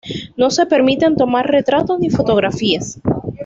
No se permiten tomar retratos ni fotografías.